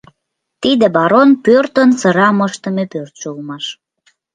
Тиде барон пӧртын сырам ыштыме пӧртшӧ улмаш.